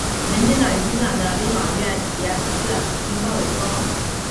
民进党和新党的立法院席次均告萎缩。